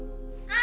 あ！